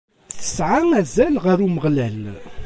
Tesɛa azal ɣer Umeɣlal.